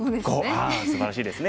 ああすばらしいですね。